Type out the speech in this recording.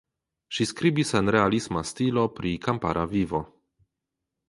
Ŝi skribis en realisma stilo pri kampara vivo.